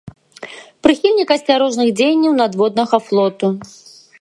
Прыхільнік асцярожных дзеянняў надводнага флоту.